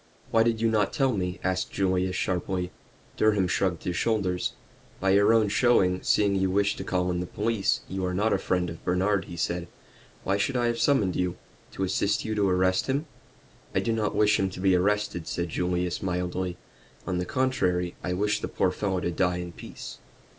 "Why did you not tell me?" asked Julius, sharply. Durham shrugged his shoulders. "By your own showing, seeing you wished to call in the police, you are not a friend to Bernard," he said. "Why should I have summoned you? To assist you to arrest him?" "I do not wish him to be arrested," said Julius, mildly. "On the contrary, I wish the poor fellow to die in peace."